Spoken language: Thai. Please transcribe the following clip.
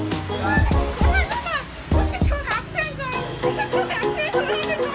ทุกที่ว่าใช่ไหม